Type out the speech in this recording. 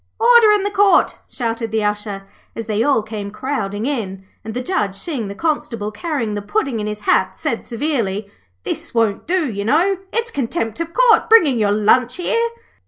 'Order in the Court,' shouted the Usher, as they all came crowding in; and the Judge, seeing the Constable carrying the Puddin' in his hat, said severely: 'This won't do, you know; it's Contempt of Court, bringing your lunch here.'